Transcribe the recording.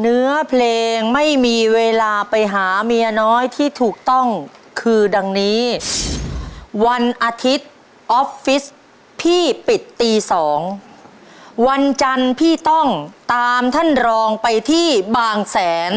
เนื้อเพลงไม่มีเวลาไปหาเมียน้อยที่ถูกต้องคือดังนี้วันอาทิตย์ออฟฟิศพี่ปิดตีสองวันจันทร์พี่ต้องตามท่านรองไปที่บางแสน